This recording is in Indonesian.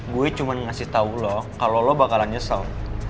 gue cuman ngasih tahu lo kalau lo bakalan nyesel